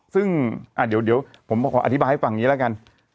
ซึ่งเดี๋ยวผมขออธิบายให้ฟังอย่างนี้แล้วกัน